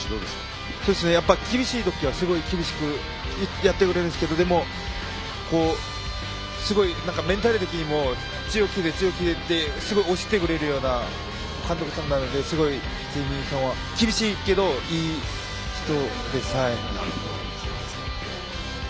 厳しい時はすごく厳しくやってくれるんですけどもすごいメンタル的にも強気でってすごく押してくれる監督さんですごい、ジェイミーさんは厳しいけどいい人です。